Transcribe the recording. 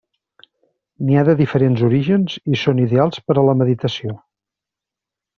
N'hi ha de diferents orígens i són ideals per a la meditació.